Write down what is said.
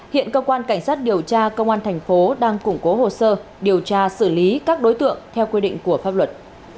hiện cơ quan cảnh sát điều tra công an thành phố đang củng cố hồ sơ điều tra xử lý các đối tượng theo quy định của pháp luật